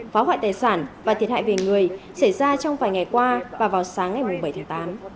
phá hoại tài sản và thiệt hại về người xảy ra trong vài ngày qua và vào sáng ngày bảy tháng tám